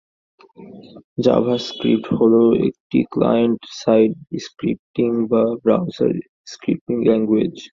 JavaScript হল একটি client side scripting বা ব্রাউজার স্ক্রিপ্টিং ল্যাংগুয়েজ।